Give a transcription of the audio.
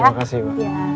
terima kasih ibu